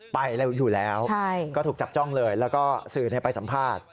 ไปเร็วอยู่แล้วก็ถูกจับจ้องเลยแล้วก็สื่อไปสัมภาษณ์